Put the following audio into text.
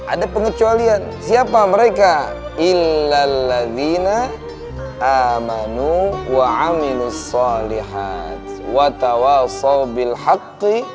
ada pengecualian siapa mereka ilal lazina amanu wa amilus shalihat watawal shawbil haqqi